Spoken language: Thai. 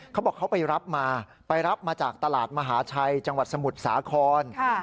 เขาบอกเขาไปรับมาไปรับมาจากตลาดมหาชัยจังหวัดสมุทรสาคร